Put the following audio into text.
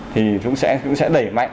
thì chúng sẽ đẩy mạnh